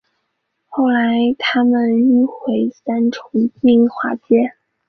后来他们迁往三重金华街